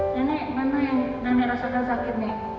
nenek mana yang nenek rasakan sakit nih